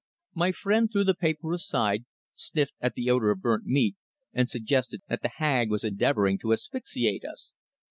My friend threw the paper aside, sniffed at the odour of burnt meat, and suggested that the Hag was endeavouring to asphyxiate us.